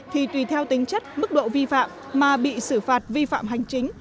thì tùy theo tính chất mức độ vi phạm mà bị xử phạt vi phạm hành chính